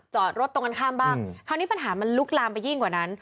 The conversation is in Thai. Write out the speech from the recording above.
จอดรถตรงกันข้ามบ้างคราวนี้ปัญหามันลุกลามไปยิ่งกว่านั้น